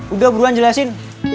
udah beruan jelasin